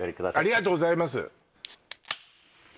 ありがとうございますで